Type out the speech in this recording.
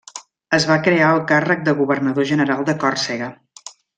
Es va crear el càrrec de governador general de Còrsega.